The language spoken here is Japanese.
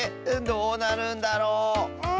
どうなるんだろう？